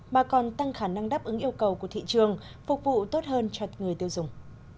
mà còn tăng khả năng đáp ứng yêu cầu của thị trường phục vụ tốt hơn cho người tiêu dùng